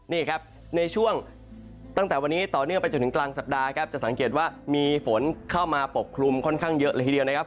นี่ครับในช่วงตั้งแต่วันนี้ต่อเนื่องไปจนถึงกลางสัปดาห์ครับจะสังเกตว่ามีฝนเข้ามาปกคลุมค่อนข้างเยอะเลยทีเดียวนะครับ